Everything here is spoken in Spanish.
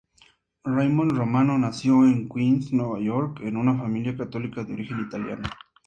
Raymond Romano nació en Queens, Nueva York, en una familia católica de origen italiano.